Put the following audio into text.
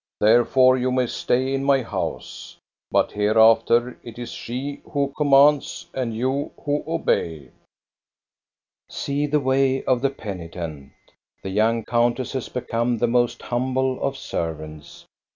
Therefore you may stay in my house. But hereafter it is she who commands, and you who obey." See the way of the penitent ! The young countess has become the most humble of servants.